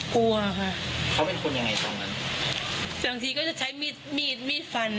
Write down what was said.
คือถ้าเห็นมีดก็คว้ามีดเลย